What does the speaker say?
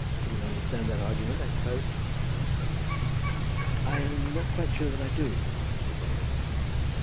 You will understand that argument, I suppose?" "I'm not quite sure that I do," said Dalrymple.